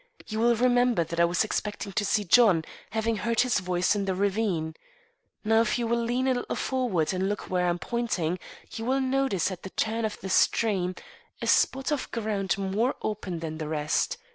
You will remember that I was expecting to see John, having heard his voice in the ravine. Now if you will lean a little forward and look where I am pointing, you will notice at the turn of the stream, a spot of ground more open than the rest.